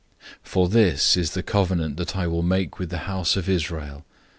008:010 "For this is the covenant that I will make with the house of Israel.